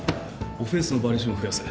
オフェンスのバリエーションを増やせ。